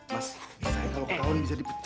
mas misalnya kalau kawan bisa dipecat ini